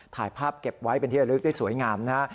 ถ่ายภาพเก็บไว้เป็นที่ระลึกได้สวยงามนะฮะ